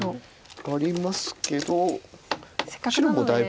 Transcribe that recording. ありますけど白もだいぶ。